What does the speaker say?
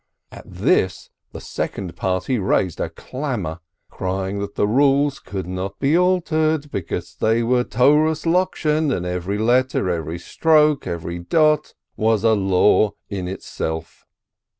At this the second party raised a clamor, crying that the rules could not be altered, because they were Toras Lokshen and every let ter, every stroke, every dot was a law in itself